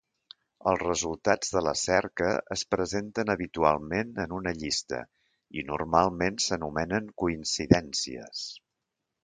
Els resultats de la cerca es presenten habitualment en una llista i normalment s'anomenen "coincidències".